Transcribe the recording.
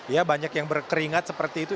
ya banyak yang berkeringat seperti itu